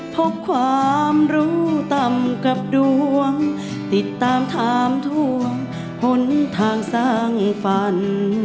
พบความรู้ต่ำกับดวงติดตามถามท่วงหนทางสร้างฝัน